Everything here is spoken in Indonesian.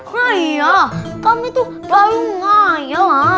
hai itu punya ave